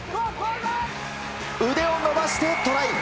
腕を伸ばしてトライ。